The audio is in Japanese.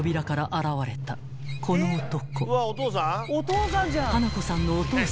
［現れたこの男］